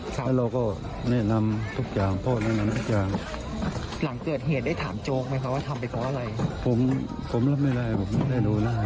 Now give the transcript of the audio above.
เราก็แนะนำอะไรทุกอย่างพ่อแนะนำอย่างน้อย